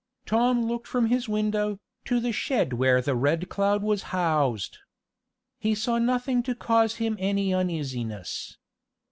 Tom looked from his window, to the shed where the Red Cloud was housed. He saw nothing to cause him any uneasiness.